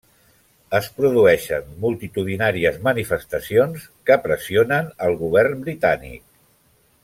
Es produeixen multitudinàries manifestacions, que pressionen el govern britànic.